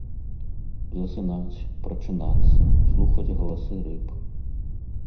Засынаць, прачынацца, слухаць галасы рыб.